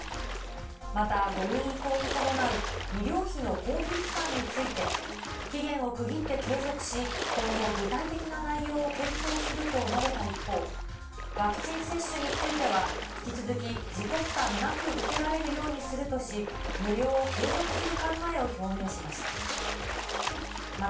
また、５類移行に伴う医療費の公費負担について、期限を区切って継続し、今後、具体的な内容を検討すると述べた一方、ワクチン接種については、引き続き自己負担なく受けられるようにするとし、無料を継続する考えを表明しました。